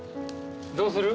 どうする？